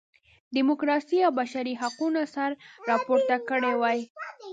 ډیموکراسۍ او بشري حقونو سر راپورته کړی وای.